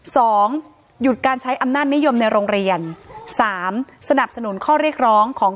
สองหยุดการใช้อำนาจนิยมในโรงเรียนสามสนับสนุนข้อเรียกร้องของ